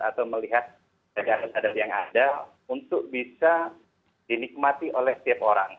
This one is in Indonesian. atau melihat adat adat yang ada untuk bisa dinikmati oleh setiap orang